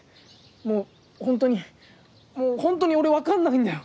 もうほんとにもうほんとに俺分かんないんだよ。